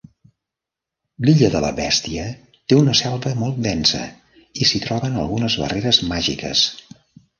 L'Illa de la Bèstia té una selva molt densa i s'hi troben algunes barreres màgiques.